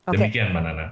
demikian mbak nana